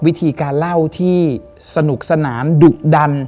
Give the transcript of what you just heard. วิธีการเล่าที่สนุกสนานดุดัน